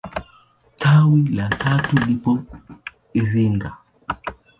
Tawi la tatu lipo Iringa.